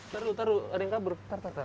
taruh taruh ada yang kabur tar tar tar